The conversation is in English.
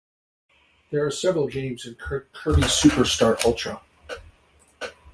There are several games in Kirby Super Star Ultra.